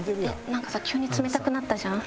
なんかさ急に冷たくなったじゃん。